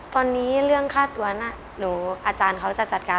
ตอนนี้เรื่องค่าตัวน่ะหนูอาจารย์เขาจะจัดการ